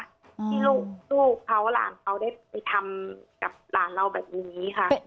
ที่ลูกเขาหลานเขาได้ไปทำกับหลานเราแบบนี้ค่ะ